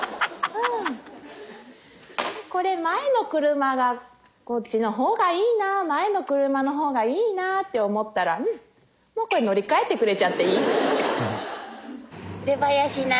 これ前の車がこっちのほうがいいな前の車のほうがいいなって思ったらうんもうこれ乗り換えてくれちゃっていいから。